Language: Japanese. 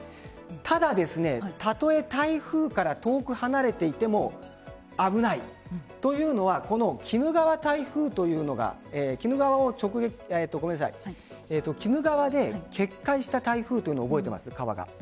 ただ、たとえ台風から遠く離れていても危ないというのは鬼怒川で決壊した台風というのを覚えていますか？